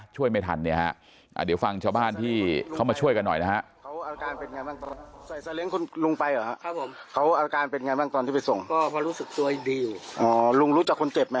ช่วยไม่ทันเนี่ยฮะเดี๋ยวฟังชาวบ้านที่เขามาช่วยกันหน่อยนะฮะ